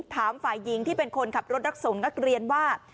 ถามฝ่ายหญิงที่เป็นคนขับรถรับส่งนักเรียนว่า